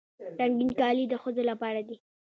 رنګین کالي د ښځو لپاره دي.